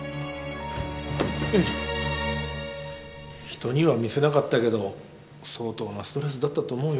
人には見せなかったけど相当なストレスだったと思うよ。